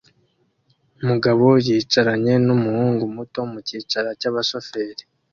Umugabo yicaranye numuhungu muto mukicara cyabashoferi